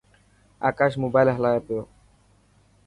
آڪاش موبائل هلائي پيو.